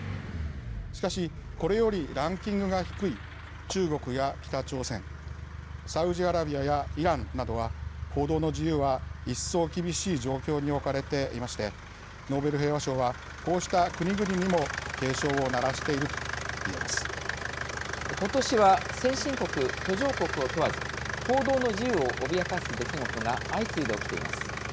しかしこれよりランキングが低い中国や北朝鮮、サウジアラビアやイランなどは、報道の自由は一層厳しい状況に置かれていましてノーベル平和賞はこうした国々にもことしは先進国、途上国を問わず報道の自由を脅かす出来事が相次いで起きています。